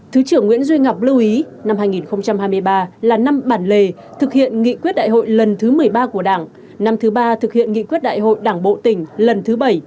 thứ trưởng nguyễn duy ngọc lưu ý năm hai nghìn hai mươi ba là năm bản lề thực hiện nghị quyết đại hội lần thứ một mươi ba của đảng năm thứ ba thực hiện nghị quyết đại hội đảng bộ tỉnh lần thứ bảy